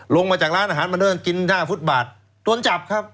ลงมาจากร้านอาหารมาเดินกินหน้าฟุตบาทโดนจับครับ